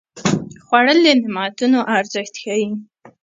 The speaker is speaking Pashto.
خوړل د نعمتونو ارزښت ښيي